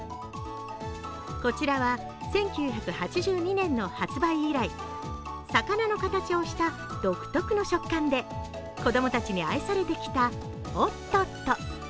こちらは１９８２年の発売以来魚の形をした、独特の食感で子供たちに愛されてきたおっとっと。